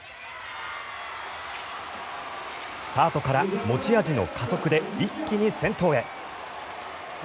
スタートから持ち味の加速で一気に先頭へ。